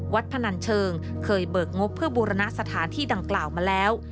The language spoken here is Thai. พนันเชิงเคยเบิกงบเพื่อบูรณะสถานที่ดังกล่าวมาแล้ว